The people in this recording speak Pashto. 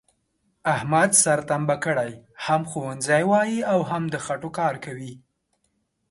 احمد سر تمبه کړی، هم ښوونځی وایي او هم د خټوکار کوي،